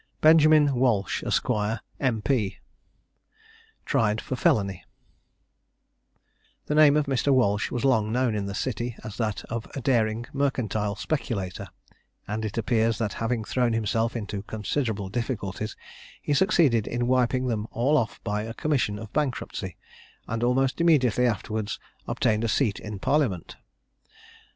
BENJAMIN WALSH, ESQ., M.P. TRIED FOR FELONY. The name of Mr. Walsh was long known in the City as that of a daring mercantile speculator; and it appears that having thrown himself into considerable difficulties, he succeeded in wiping them all off by a commission of bankruptcy, and almost immediately afterwards obtained a seat in Parliament.